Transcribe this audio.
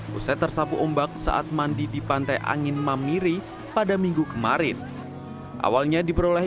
pusat tersapu ombak saat mandi di pantai angin mamiri pada minggu kemarin awalnya diperoleh